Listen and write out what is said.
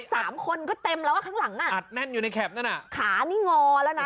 สามคนก็เต็มแล้วอ่ะข้างหลังอ่ะอัดแน่นอยู่ในแคปนั่นอ่ะขานี่งอแล้วนะ